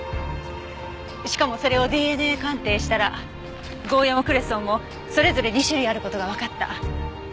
しかもそれをＤＮＡ鑑定したらゴーヤもクレソンもそれぞれ２種類ある事がわかった。